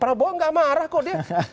prabowo gak marah kok dia